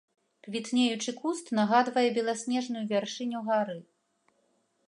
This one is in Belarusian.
Квітнеючы куст нагадвае беласнежную вяршыню гары.